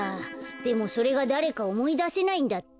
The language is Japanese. でもそれがだれかおもいだせないんだって。